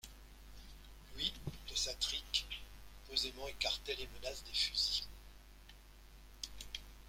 Lui, de sa trique, posément, écartait les menaces des fusils.